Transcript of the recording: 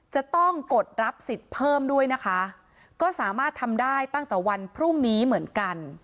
จะต้องกดรับสิทธิ์เพิ่มด้วยนะคะก็สามารถทำได้ตั้งแต่วันพรุ่งนี้เหมือนกัน